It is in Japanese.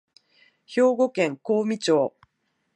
兵庫県香美町